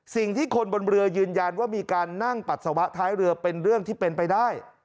สิ่งที่คนบนเรือยืนยันว่ามีการนั่งปัสสาวะท้ายเรือเป็นเรื่องที่เป็นไปได้